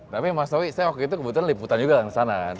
tapi mas towi saya waktu itu kebetulan liputan juga kan sana kan